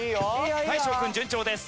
大昇君順調です。